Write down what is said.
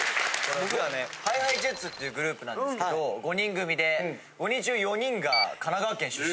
僕らはねＨｉＨｉＪｅｔｓっていうグループなんですけど５人組で５人中４人が神奈川県出身。